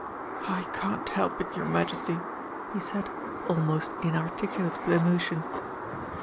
"I can't help it, your Majesty," he said, almost inarticulate with emotion.